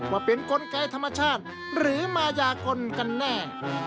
ว่าเป็นกลไกธรรมชาติหรือมายากลกันแน่